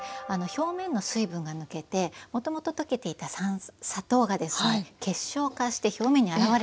表面の水分が抜けてもともと溶けていた砂糖がですね結晶化して表面に現れてきます。